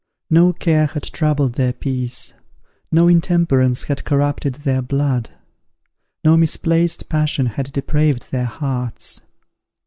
No care had troubled their peace, no intemperance had corrupted their blood, no misplaced passion had depraved their hearts.